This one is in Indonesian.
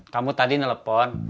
kamu tadi nelfon